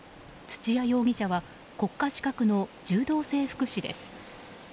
土谷容疑者は国家資格の柔道整復師です。